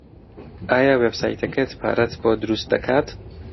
ئایا وێبسایتەکەت پارەت بۆ دروست دەکات؟